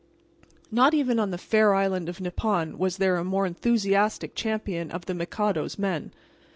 Not even on the fair island of Nippon was there a more enthusiastic champion of the Mikado's men.